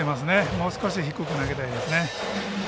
もう少し低く投げたいですね。